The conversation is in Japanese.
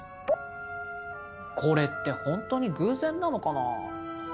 これって本当に偶然なのかな？